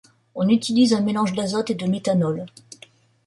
On utilise un mélange d'azote et de méthanol.